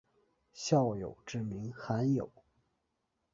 孝友之名罕有。